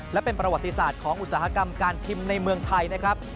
และเป็นประวัติศาสตร์ของอุตสาหกรรมการพิมพ์ในเมืองไทยนะครับ